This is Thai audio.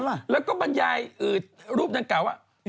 แล้วก็บรรยายรูปดังกล่าวว่า